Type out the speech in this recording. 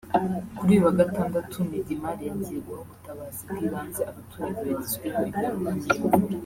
Kuri uyu wa Gatandatu Midimar yagiye guha ubutabazi bw’ibanze abaturage bagizweho ingaruka n’iyo mvura